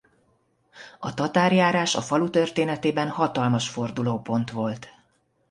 A tatárjárás a falu történetében hatalmas fordulópont volt.